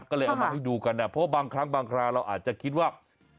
ก็เลยเอามาให้ดูกันเพราะบางครั้งบางคราวเราอาจจะคิดว่า